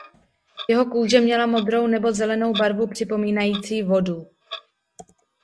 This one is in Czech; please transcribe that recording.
Jeho kůže měla modrou nebo zelenou barvu připomínající vodu.